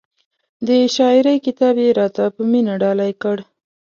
د شاعرۍ کتاب یې را ته په مینه ډالۍ کړ.